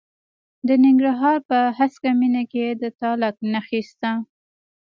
د ننګرهار په هسکه مینه کې د تالک نښې شته.